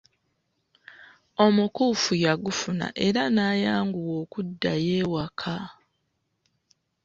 Omukuufu yagufuna era n'ayanguwa okuddayo ewaka.